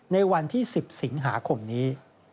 ในวันที่๑๐สิงหาคมนี้